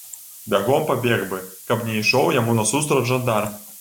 Бягом пабег бы, каб не ішоў яму насустрач жандар.